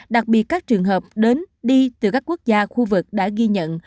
đặc biệt các trường hợp đến đi từ các quốc gia khu vực đã ghi nhận